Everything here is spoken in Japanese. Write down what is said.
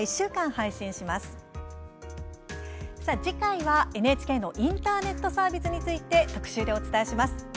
次回はＮＨＫのインターネットサービスについて特集でお伝えします。